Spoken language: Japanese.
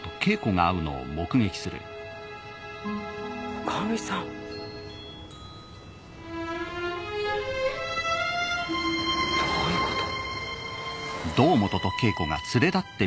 ⁉女将さんどういうこと？